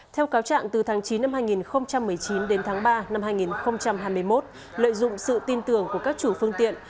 theo cáo trạng từ tháng chín năm hai nghìn một mươi chín đến tháng ba năm hai nghìn hai mươi một lợi dụng sự tin tưởng của các chủ phương tiện